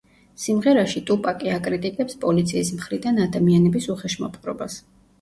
სიმღერაში ტუპაკი აკრიტიკებს პოლიციის მხრიდან ადამიანების უხეშ მოპყრობას.